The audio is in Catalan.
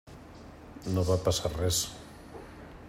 No va passar res.